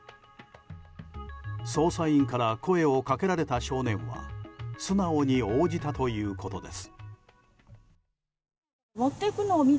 捜査員から声をかけられた少年は素直に応じたということです。